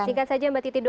singkat saja mbak titi